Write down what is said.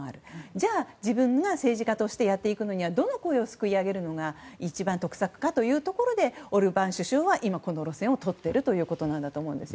じゃあ自分が政治家としてやっていくにはどの声をすくい上げるのが得策かというところでオルバーン首相は今、この路線をとっているということだと思います。